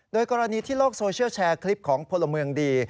โดยกรณีที่โลกโซเชียลแชร์คลิปของพลเมืองดี